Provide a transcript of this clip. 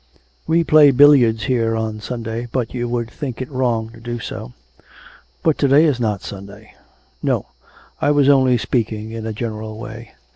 'We play billiards here on Sunday, but you would think it wrong to do so.' 'But to day is not Sunday.' 'No; I was only speaking in a general way.